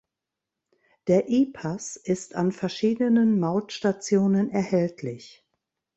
Der e-Pass ist an verschiedenen Mautstationen erhältlich.